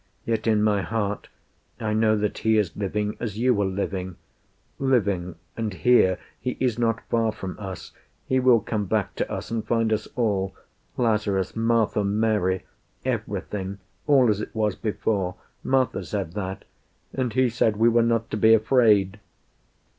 "Yet in my heart I know that He is living, as you are living Living, and here. He is not far from us. He will come back to us and find us all Lazarus, Martha, Mary everything All as it was before. Martha said that. And He said we were not to be afraid."